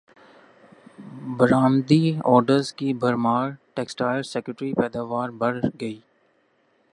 برامدی orders کی بھرمار textile سیکٹرکی پیداوار بڑھ گئی